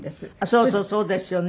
そうそうそうですよね。